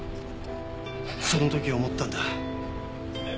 その時思ったんだ。